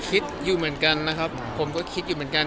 คิดอยู่เหมือนกันนะครับผมก็คิดอยู่เหมือนกัน